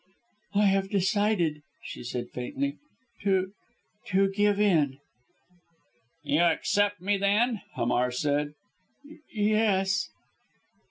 "I have decided," she said faintly, "to to give in." "You accept me, then?" Hamar said. "Y yes!"